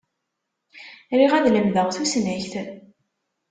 Riɣ ad lemdeɣ tusnakt.